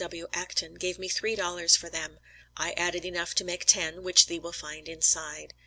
W. Acton, gave me three dollars for them; I added enough to make ten, which thee will find inside.